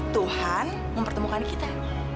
tuhan mempertemukan kita